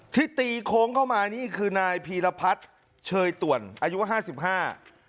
ที่ตีโค้งเข้ามานี่คือนายพีรพัฒน์เชยต่วนอายุห้าสิบห้า